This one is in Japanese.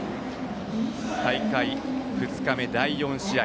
大会２日目、第４試合。